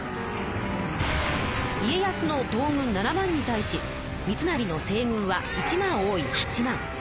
家康の東軍７万に対し三成の西軍は１万多い８万。